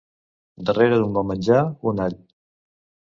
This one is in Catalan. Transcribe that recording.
Darrere d'un bon menjar, un all.